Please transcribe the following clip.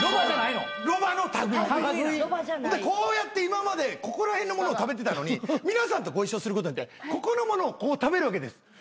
こうやって今までここら辺のものを食べてたのに皆さんとご一緒することによってここのものを食べるわけです。